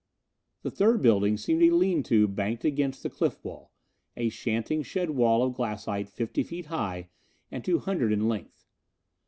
The third building seemed a lean to banked against the cliff wall, a slanting shed wall of glassite fifty feet high and two hundred in length.